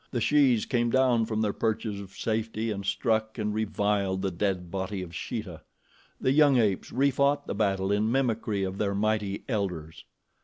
The shes came down from their perches of safety and struck and reviled the dead body of Sheeta. The young apes refought the battle in mimicry of their mighty elders.